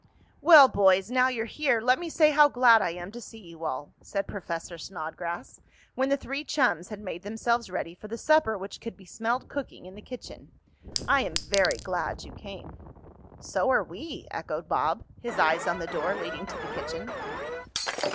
"Well, boys, now you're here, let me say how glad I am to see you all," said Professor Snodgrass, when the three chums had made themselves ready for the supper which could be smelled cooking in the kitchen. "I am very glad you came." "So are we," echoed Bob, his eyes on the door leading to the kitchen.